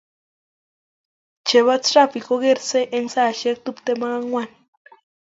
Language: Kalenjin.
chebo trafik kogersei eng saishek tuptem ak angwan